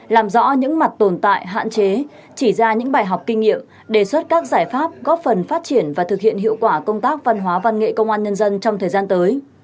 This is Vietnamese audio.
làm rõ những mặt tồn tại hạn chế chỉ ra những bài học kinh nghiệm đề xuất các giải pháp góp phần phát triển và thực hiện hiệu quả công tác văn hóa văn nghệ công an nhân dân trong thời gian tới